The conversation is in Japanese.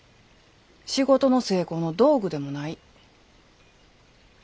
仕事の成功の道具でもない。